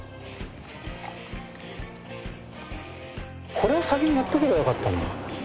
これを先にやっておけばよかった。